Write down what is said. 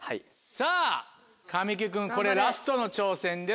さぁ神木君これラストの挑戦です。